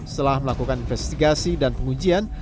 setelah melakukan investigasi dan pengujian